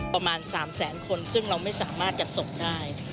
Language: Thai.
ประมาณ๓แสนคนซึ่งเราไม่สามารถจัดส่งได้